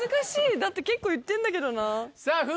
だって結構言ってんだけどな。